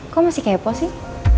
kok masih kepo sih